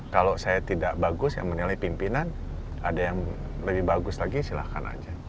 kalau saya tidak bagus yang menilai pimpinan ada yang lebih bagus lagi silahkan aja